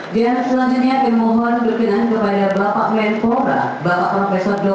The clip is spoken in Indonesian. dan selanjutnya saya mohon berpindah kepada bapak mepora bapak profesor jokowi